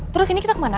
terus ini kita kemana